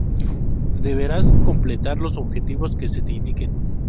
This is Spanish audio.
Deberás completar los objetivos que se te indiquen.